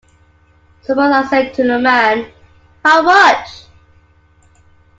Suppose I say to a man, "how much?"